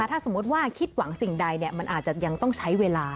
ถ้าสมมุติว่าคิดหวังสิ่งใดมันอาจจะยังต้องใช้เวลา